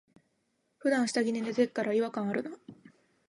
ふだん下着で寝てっから、違和感あるな。